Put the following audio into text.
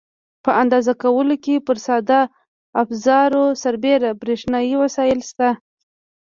په اندازه کولو کې پر ساده افزارو سربېره برېښنایي وسایل شته.